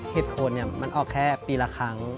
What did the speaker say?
เหตุผลมันออกแค่ปีละครั้ง